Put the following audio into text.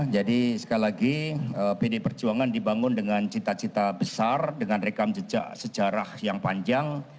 jadi sekali lagi pd perjuangan dibangun dengan cita cita besar dengan rekam jejak sejarah yang panjang